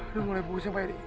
aduh mulai pusing pak yadi